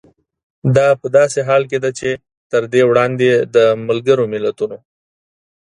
دا په داسې حال کې ده چې تر دې وړاندې د ملګرو ملتونو